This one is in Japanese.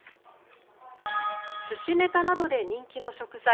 寿司ネタなどで人気の食材